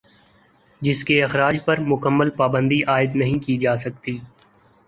جس کے اخراج پر مکمل پابندی عائد نہیں کی جاسکتی